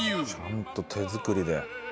ちゃんと手作りで。